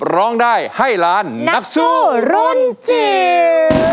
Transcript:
ร้องได้ให้ล้านนักสู้รุ่นจิ๋ว